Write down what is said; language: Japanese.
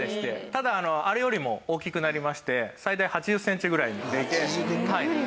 ただあれよりも大きくなりまして最大８０センチぐらいになります。